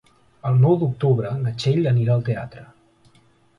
El nou d'octubre na Txell anirà al teatre.